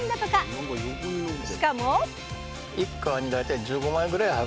しかも。え！